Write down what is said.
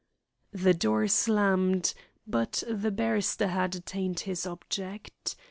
The door slammed; but the barrister had attained his object.